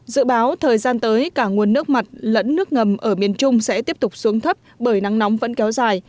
dự báo thời gian tới cả nguồn nước mặt lẫn nước ngầm ở miền trung sẽ tiếp tục xuống thấp bởi nắng nóng vẫn kéo dài